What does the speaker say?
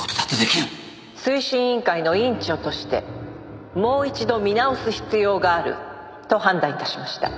「推進委員会の委員長としてもう一度見直す必要があると判断致しました」